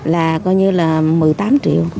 là coi như là một mươi tám triệu